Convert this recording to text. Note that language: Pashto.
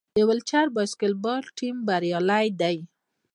د ویلچیر باسکیټبال ټیم بریالی دی.